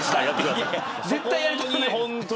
絶対やりたくないです。